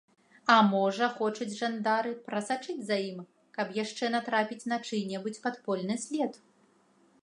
А можа, хочуць жандары прасачыць за ім, каб яшчэ натрапіць на чый-небудзь падпольны след?